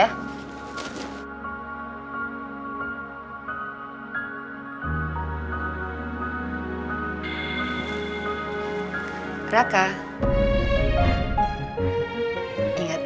kamu harus berhenti menghubungi perempuan yang berhubungan dengan kamu